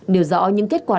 điều rõ những kết quả